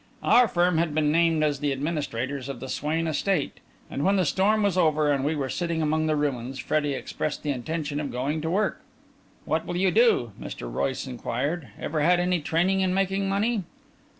Our firm had been named as the administrators of the Swain estate, and when the storm was over and we were sitting among the ruins, Freddie expressed the intention of going to work. "What will you do?" Mr. Royce inquired. "Ever had any training in making money?"